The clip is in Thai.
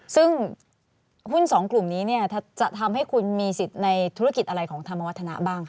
ซึ่งหุ้นสองกลุ่มนี้จะทำให้คุณมีสิทธิ์ในธุรกิจอะไรของธรรมวัฒนะบ้าง